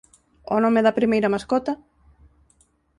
O nome da primeira mascota?